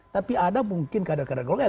tapi ada mungkin kadang kadang golongan